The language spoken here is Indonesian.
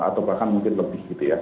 atau bahkan mungkin lebih